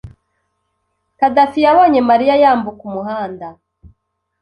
Khadafi yabonye Mariya yambuka umuhanda.